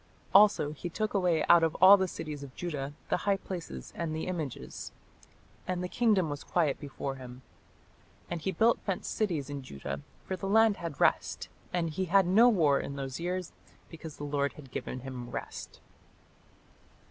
Also he took away out of all the cities of Judah the high places and the images: and the kingdom was quiet before him. And he built fenced cities in Judah: for the land had rest, and he had no war in those years; because the Lord had given him rest."